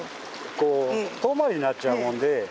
こう遠回りになっちゃうもんで。